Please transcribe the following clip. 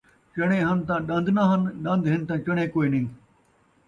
چݨے ہن تاں ݙن٘د ناں ہن ، ݙن٘د ہن تاں چݨے کوئینی